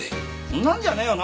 そんなんじゃねえよ。